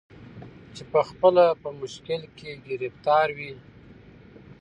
چي پخپله په مشکل کي ګرفتار وي